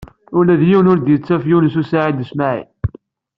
Ula d yiwen ur d-yettaf Yunes u Saɛid u Smaɛil.